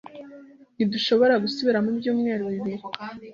Ntidushobora gusubira mubyumweru bibiri.